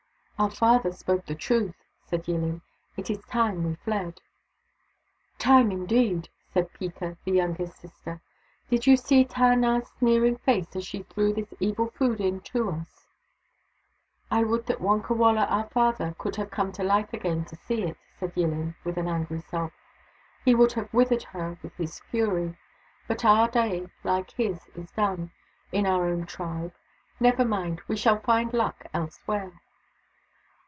" Our father spoke truth," said Yillin. " It is time we fled." " Time, indeed," said Peeka, the youngest sister. " Did you see Tar nar's sneering face as she threw this evil food in to us ?"" I would that Wonkawala, our father, could have come to life again to see it," said Yillin with an angry sob. " He would have withered her with his fury. But our day, like his, is done — in our own tribe. Never mind — we shall find luck elsewhere."